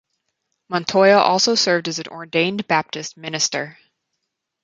Montoya also served as an ordained Baptist minister.